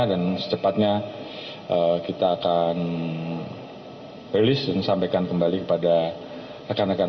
dan secepatnya kita akan rilis dan sampaikan kembali kepada rekan rekan